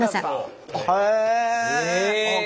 へえ。